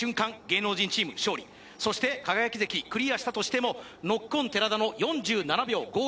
芸能人チーム勝利そして輝関クリアしたとしてもノッコン寺田の４７秒５１